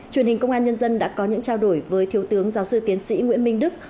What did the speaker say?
truyền hình công an nhân dân đã có những trao đổi với thiếu tướng giáo sư tiến sĩ nguyễn minh đức